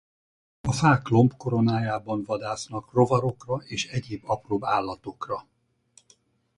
A fák lombkoronájában vadásznak rovarokra és egyéb apróbb állatokra.